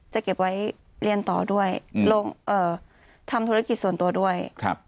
จะเก็บไว้เรียนต่อด้วยทำธุรกิจส่วนตัวด้วย